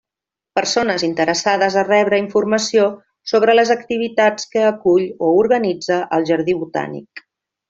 Persones interessades a rebre informació sobre les activitats que acull o organitza el Jardí Botànic.